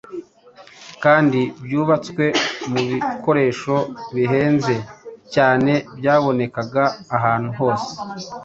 kandi byubatswe mu bikoresho bihenze cyane byabonekaga ahantu hose.